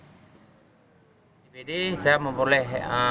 suara dpd ri berbentuk satu ratus lima puluh sembilan